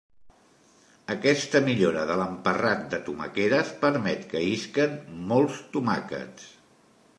Aquesta millora de l'emparrat de tomaqueres permet que isquen molts tomàquets.